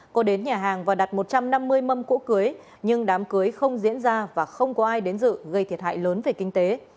cô đến nhà hàng và đặt một trăm năm mươi mâm cỗ cưới nhưng đám cưới không diễn ra và không có ai đến dự gây thiệt hại lớn về kinh tế